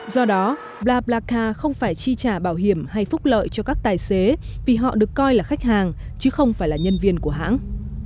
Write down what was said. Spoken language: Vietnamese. do đó blacca không phải chi trả bảo hiểm hay phúc lợi cho các tài xế vì họ được coi là khách hàng chứ không phải là nhân viên của hãng